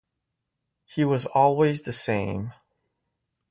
He was always the same.